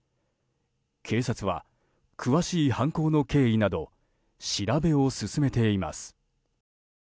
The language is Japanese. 警察は詳しい犯行の経緯など調べを進めています。